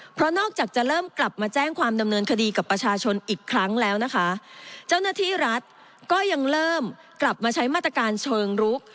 เพราะนอกจากจะเริ่มกลับมาแจ้งความดำเนินคดีกับประชาชนอีกครั้งแล้วนะคะเจ้าหน้าที่รัฐก็ยังเริ่มกลับมาใช้มาตรการเชิงรุก